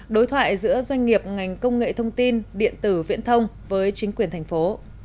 đối thoại giữa doanh nghiệp ngành công nghệ thông tin điện tử viễn thông với chính quyền thành phố